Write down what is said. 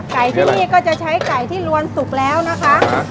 ที่นี่ก็จะใช้ไก่ที่ลวนสุกแล้วนะคะ